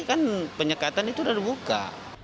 kan penyekatan itu sudah dibuka